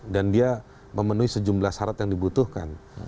dan dia memenuhi sejumlah syarat yang dibutuhkan